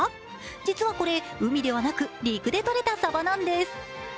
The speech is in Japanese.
実はこれ海ではなく陸でとれたさばなんです。